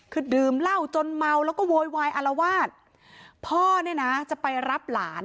คือดื่มเหล้าจนเมาแล้วก็โวยวายอารวาสพ่อเนี่ยนะจะไปรับหลาน